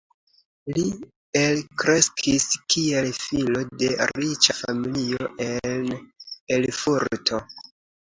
Li elkreskis kiel filo de riĉa familio en Erfurto.